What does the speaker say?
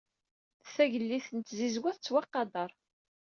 Tagellidt n tzizwa tettwaqader.